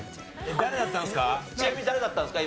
誰だったんですか？